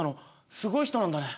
すごい人なんだね。